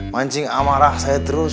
mancing amarah saya terus